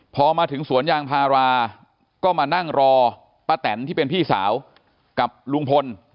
พอมาถึงสวนยางพาราก็มานั่งรอป้าแตนที่เป็นพี่สาวกับลุงพล